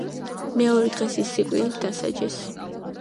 მეორე დღეს ის სიკვდილით დასაჯეს.